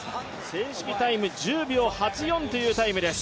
正式タイム１０秒８４というタイムです。